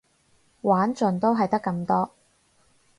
玩盡都係得咁多